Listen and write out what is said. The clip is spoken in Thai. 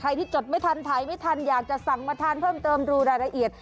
ที่จดไม่ทันถ่ายไม่ทันอยากจะสั่งมาทานเพิ่มเติมดูรายละเอียด